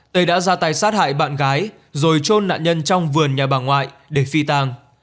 tây đã ra tay sát hại bạn gái rồi trôn nạn nhân trong vườn nhà bà ngoại để phi tàng